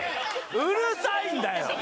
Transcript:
うるさいんだよ！